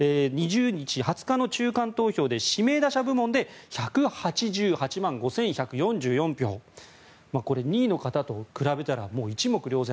２０日の中間投票で指名打者部門で１８８万５１４４票これ、２位の方と比べたら一目瞭然。